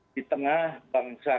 di tengah bangsa